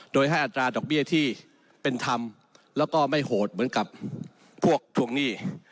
โดยให้อัตราดอกเบี้ยที่เป็นธรรมแล้วก็ไม่โหดเหมือนกับพวกทวงหนี้